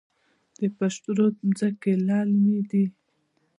د پشت رود ځمکې للمي دي